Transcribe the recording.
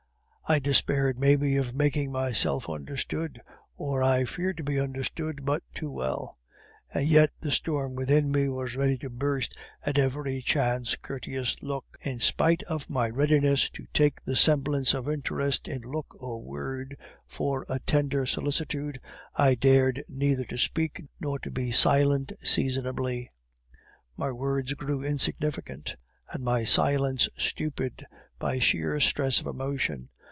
I despaired, maybe, of making myself understood, or I feared to be understood but too well; and yet the storm within me was ready to burst at every chance courteous look. In spite of my readiness to take the semblance of interest in look or word for a tenderer solicitude, I dared neither to speak nor to be silent seasonably. My words grew insignificant, and my silence stupid, by sheer stress of emotion.